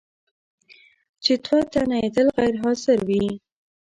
چې دوه تنه یې تل غیر حاضر وي.